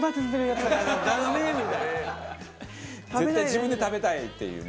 絶対自分で食べたいっていうね。